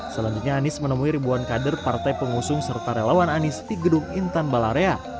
selanjutnya anies menemui ribuan kader partai pengusung serta relawan anies di gedung intan balarea